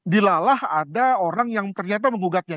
dilalah ada orang yang ternyata mengugatnya